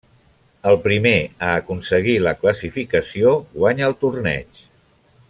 El primer a aconseguir la classificació guanya el torneig.